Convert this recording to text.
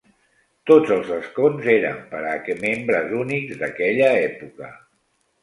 Tots els escons eren per a membres únics d'aquella època.